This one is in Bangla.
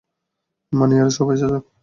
মানিয়ারা সবাই সজাগ!